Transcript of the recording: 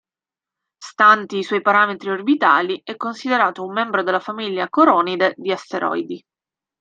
Stanti i suoi parametri orbitali, è considerato un membro della famiglia Coronide di asteroidi.